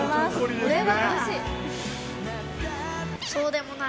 俺はそうでもない。